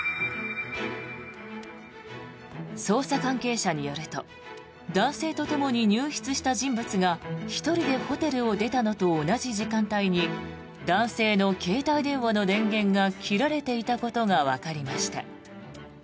捜査関係者によると男性とともに入室した人物が１人でホテルを出たのと同じ時間帯に男性の携帯電話の電源が切られていたことがわかりました。